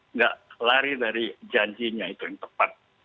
nggak lari dari janjinya itu yang tepat